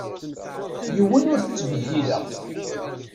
Yiwen ur t-ttbeddileɣ.